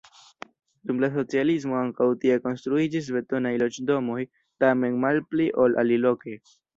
Dum la socialismo ankaŭ tie konstruiĝis betonaj loĝdomoj, tamen malpli, ol aliloke.